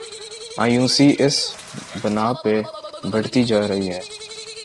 مایوسی اس بنا پہ بڑھتی جا رہی ہے۔